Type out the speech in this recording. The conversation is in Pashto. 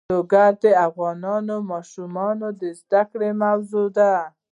لوگر د افغان ماشومانو د زده کړې موضوع ده.